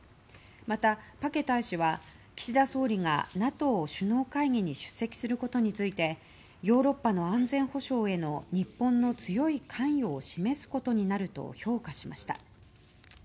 また、パケ大使は岸田総理がＮＡＴＯ首脳会議に出席することについてヨーロッパの安全保障への日本の強い関与を示すことになると評価しました。